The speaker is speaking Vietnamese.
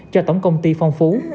cho tổng công ty phong phú